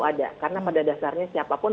ada karena pada dasarnya siapapun